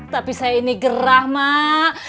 tapi saya ini gerah mak